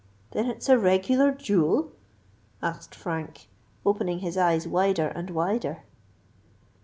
"Then it's a regular duel?" said Frank, opening his eyes wider and wider.